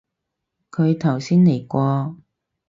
佢頭先嚟過